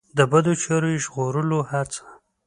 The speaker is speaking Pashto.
د بدو چارو یې ژغورلو هڅه.